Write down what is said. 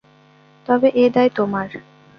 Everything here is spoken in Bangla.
তবে এ দায় তোমার।